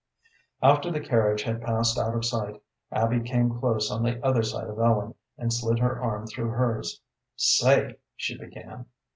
After the carriage had passed out of sight Abby came close on the other side of Ellen and slid her arm through hers. "Say!" she began.